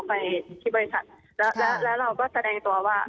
ไปที่บริษัทแล้วแล้วเราก็แสดงตัวว่า